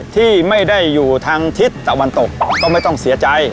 ที่ไม่ได้อยู่ทางทิศตะวันตกก็ไม่ต้องเสียใจ